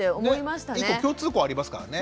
１個共通項ありますからね。